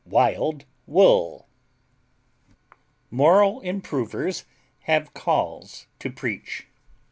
Wild Wool Moral improvers have calls to preach.